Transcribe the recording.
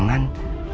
ricky mencari mama